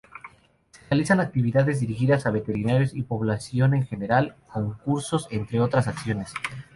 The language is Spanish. Se realizan actividades dirigidas a veterinarios y población en general, concursos, entre otras acciones.